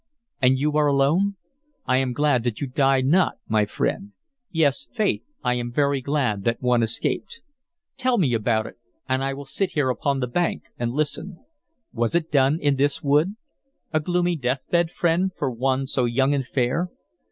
And you are alone? I am glad that you died not, my friend; yes, faith, I am very glad that one escaped. Tell me about it, and I will sit here upon the bank and listen. Was it done in this wood? A gloomy deathbed, friend, for one so young and fair.